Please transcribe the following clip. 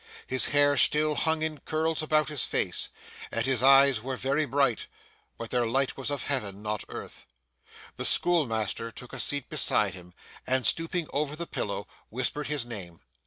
His hair still hung in curls about his face, and his eyes were very bright; but their light was of Heaven, not earth. The schoolmaster took a seat beside him, and stooping over the pillow, whispered his name.